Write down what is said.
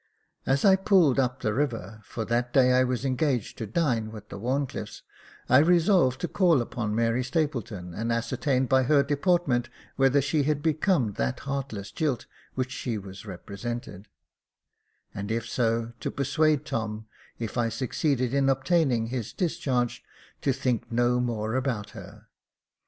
As I pulled up the river, for that day I was engaged to dine with the Wharncliffes, I resolved to call upon Mary Stapleton, and ascertain by her deportment whether she had become that heartless jilt which she was represented, and if so, to persuade Tom, if I succeeded in obtaining his discharge, to think no more about her.